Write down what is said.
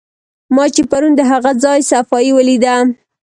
ما چې پرون د هغه ځای صفایي ولیده.